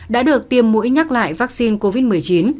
đã được tiêm mũi nhắc lại vaccine covid một mươi chín